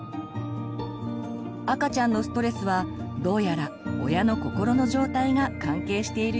赤ちゃんのストレスはどうやら親の心の状態が関係しているようです。